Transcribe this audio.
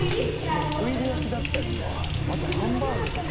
このホイル焼きだったりあとハンバーグとか。